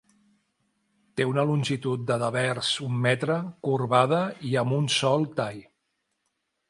Té una longitud de devers un metre, corbada i amb un sol tall.